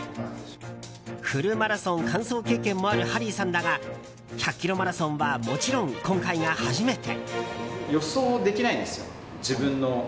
フルマラソン完走経験もあるハリーさんだが１００ｋｍマラソンはもちろん今回が初めて。